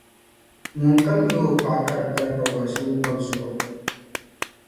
ŋunkam yihi o paɣa ka di pala pagɔrisigu gɔbu zuɣu.